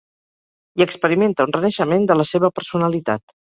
I experimenta un renaixement de la seva personalitat.